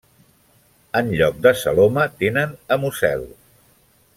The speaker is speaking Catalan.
En lloc de celoma tenen hemocel.